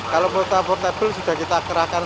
kalau portabel sudah kita kerahkan